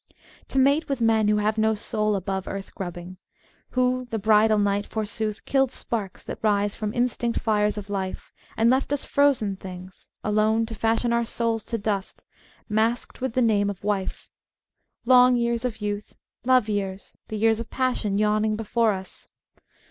. To mate with men who have no soul above f Earth grubbing; who, the bridal night, forsooth, | Killed sparks that rise from instinct fires of life, 1 And left us frozen things, alone to fashion ■ i Our souls to dust, masked with the name of wife —| Long years of youth — love years — the years of passion t Yawning before us.